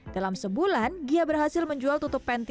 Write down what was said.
dalam sebulan gia berhasil menjual tutup penti